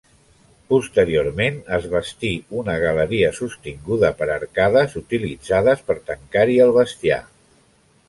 Posteriorment es bastí una galeria sostinguda per arcades utilitzades per tancar-hi el bestiar.